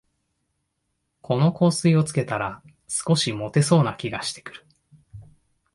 この香水をつけたら、少しもてそうな気がしてくる